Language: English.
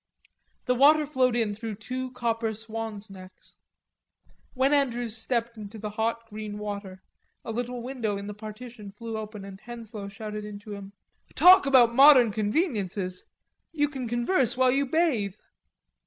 The water flowed in through two copper swans' necks. When Andrews stepped into the hot green water, a little window in the partition flew open and Henslowe shouted in to him: "Talk about modern conveniences. You can converse while you bathe!"